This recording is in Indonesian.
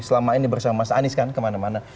selama ini bersama mas anies kan kemana mana